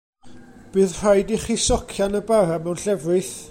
Bydd rhaid i chi socian y bara mewn llefrith.